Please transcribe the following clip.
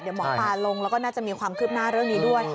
เดี๋ยวหมอปลาลงแล้วก็น่าจะมีความคืบหน้าเรื่องนี้ด้วย